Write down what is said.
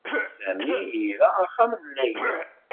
Sami ira axxam n Layla.